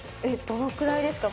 どのくらいですか？